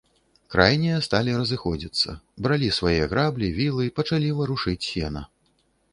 Крайнія сталі разыходзіцца, бралі свае граблі, вілы, пачалі варушыць сена.